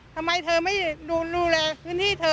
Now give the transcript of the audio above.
ทำไมเธอไม่ดูแลพื้นที่เธอ